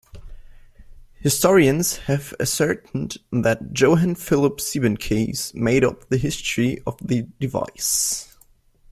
Historians have ascertained that Johann Philipp Siebenkees made up the history of the device.